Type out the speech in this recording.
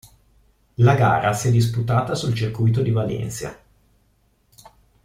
La gara si è disputata sul circuito di Valencia.